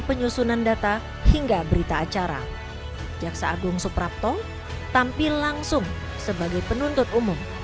penyusunan data hingga berita acara jaksa agung suprapto tampil langsung sebagai penuntut umum